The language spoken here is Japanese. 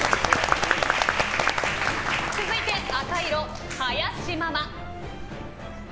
続いて、赤色の林ママ。